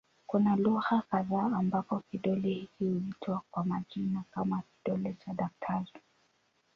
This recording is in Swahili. Kuna lugha kadha ambako kidole hiki huitwa kwa majina kama "kidole cha daktari".